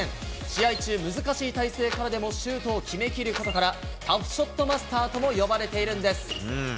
試合中、難しい体勢からでもシュートを決め切ることから、タフショットマスターとも呼ばれているんです。